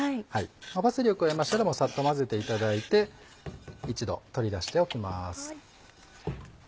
パセリを加えましたらサッと混ぜていただいて一度取り出しておきます。